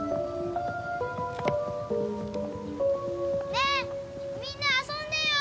ねえみんな遊んでよ！